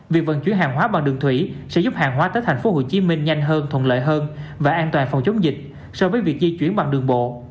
việc vận chuyển hàng hóa bằng đường thủy sẽ giúp hàng hóa tới thành phố hồ chí minh nhanh hơn thuận lợi hơn và an toàn phòng chống dịch so với việc di chuyển bằng đường bộ